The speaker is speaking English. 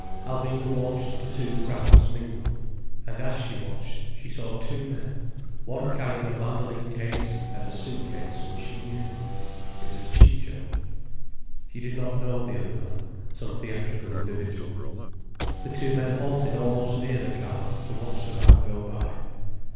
Alvina watched the two crowds mingle. And as she watched she saw two men, one carrying a mandoline case and a suit case which she knew. It was Ciccio. She did not know the other man; some theatrical individual. The two men halted almost near the car, to watch the band go by.